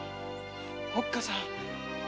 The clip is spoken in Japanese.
おっかさん